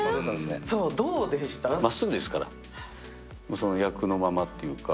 その役のままというか。